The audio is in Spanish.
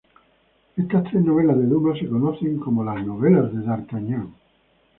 Estas tres novelas de Dumas se conocen como "Las novelas de D'Artagnan".